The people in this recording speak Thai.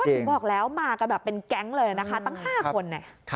ถึงบอกแล้วมากันแบบเป็นแก๊งเลยนะคะตั้ง๕คนเนี่ย